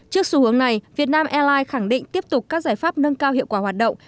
trước xu hướng này vietnam airlines khẳng định tiếp tục các giải pháp nâng cao hiệu quả hoạt động